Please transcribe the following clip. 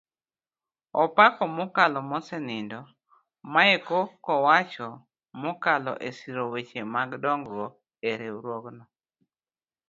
Opako mokalo mosenindo maeko kowacho mokalo esiro weche mag dongruok eriwruogno